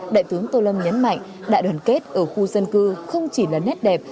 đại tướng tô lâm nhấn mạnh đại đoàn kết ở khu dân cư không chỉ là nét đẹp